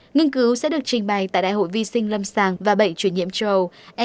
nghiên cứu sẽ được trình bày tại đại hội vi sinh lâm sàng và bệnh truyền nhiễm châu âu